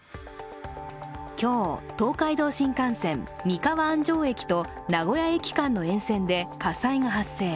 今日、東海道新幹線・三河安城駅と名古屋駅間の沿線で火災が発生。